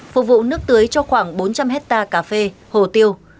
phục vụ nước tưới cho khoảng bốn trăm linh hectare cà phê hồ tiêu